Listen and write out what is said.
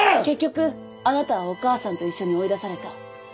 結局あなたはお母さんと一緒に追い出された。